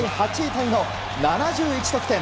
タイの７１得点。